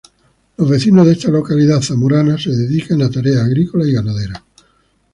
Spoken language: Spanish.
Los vecinos de esta localidad zamorana se dedican a tareas agrícolas y ganaderas.